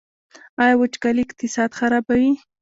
آیا وچکالي اقتصاد خرابوي؟